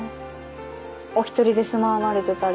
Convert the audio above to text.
お一人で住まわれてたり。